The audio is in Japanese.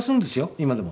今でも。